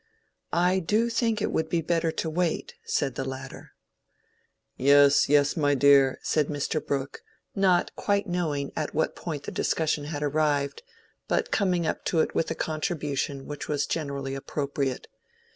"I do think it would be better to wait," said the latter. "Yes, yes, my dear," said Mr. Brooke, not quite knowing at what point the discussion had arrived, but coming up to it with a contribution which was generally appropriate.